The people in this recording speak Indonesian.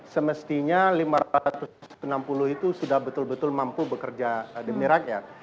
semestinya lebih banyak orang yang bekerja untuk bekerja untuk bekerja untuk rakyat